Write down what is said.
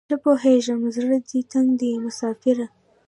ښه پوهیږم زړه دې تنګ دی مساپره